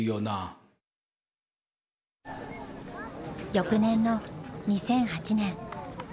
翌年の２００８年。